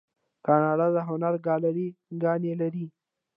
کاناډا د هنر ګالري ګانې لري.